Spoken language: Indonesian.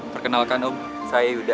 perkenalkan om saya yuda